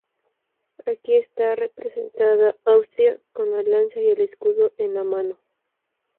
Aquí está representada Austria, con la lanza y el escudo en la mano.